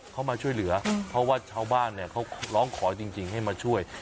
เขามาช่วยเหลือเพราะว่าชาวบ้านเนี่ยเขาร้องขอจริงให้มาช่วย